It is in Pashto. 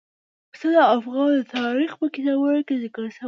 پسه د افغان تاریخ په کتابونو کې ذکر شوي دي.